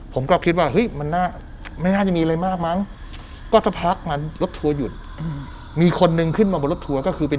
เพื่อหาเรือ